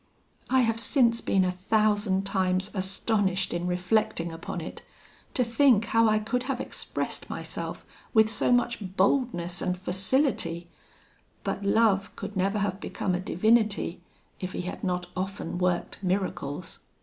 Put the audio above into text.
I have since been a thousand times astonished in reflecting upon it, to think how I could have expressed myself with so much boldness and facility; but love could never have become a divinity, if he had not often worked miracles.